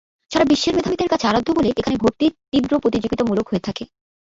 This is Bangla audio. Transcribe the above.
সারা বিশ্বের মেধাবীদের কাছে আরাধ্য বলে এখানে ভর্তি তীব্র প্রতিযোগিতামূলক হয়ে থাকে।